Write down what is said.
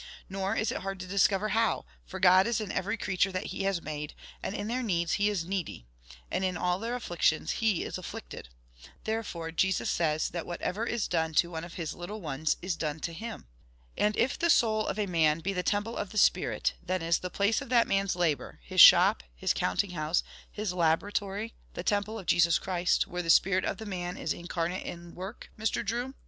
Nor is it hard to discover how; for God is in every creature that he has made, and in their needs he is needy, and in all their afflictions he is afflicted. Therefore Jesus says that whatever is done to one of his little ones is done to him. And if the soul of a man be the temple of the Spirit, then is the place of that man's labour, his shop, his counting house, his laboratory, the temple of Jesus Christ, where the spirit of the man is incarnate in work. Mr. Drew!"